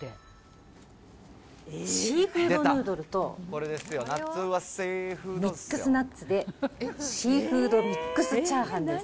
シーフードヌードルとミックスナッツでシーフードミックスチャーハンです。